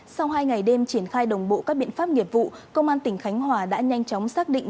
sau hai ngày đêm triển khai đồng bộ các biện pháp nghiệp vụ công an tỉnh khánh hòa đã nhanh chóng xác định